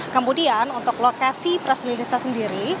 kemudian untuk lokasi press release nya sendiri